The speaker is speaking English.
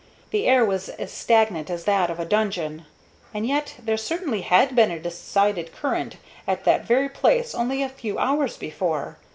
The air was as stagnant as that of a dungeon. And yet there certainly had been a decided current at that very place only a few hours before.